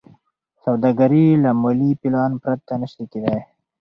سوداګري له مالي پلان پرته نشي کېدای.